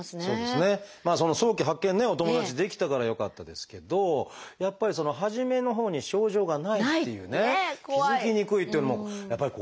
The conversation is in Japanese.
その早期発見ねお友達できたからよかったですけどやっぱり初めのほうに症状がないっていうね気付きにくいっていうのもやっぱり怖いですよね。